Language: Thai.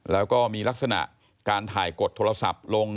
แล้วก็มีลักษณะการถ่ายกดโทรศัพท์ลง